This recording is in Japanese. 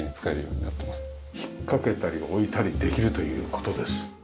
引っかけたり置いたりできるという事です。